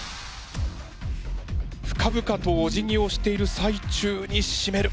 深々とおじぎをしている最中にしめる。